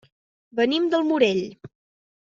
Venim del Morell.